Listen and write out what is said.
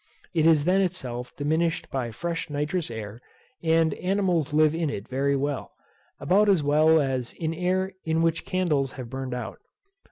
It is then itself diminished by fresh nitrous air, and animals live in it very well, about as well as in air in which candles have burned out.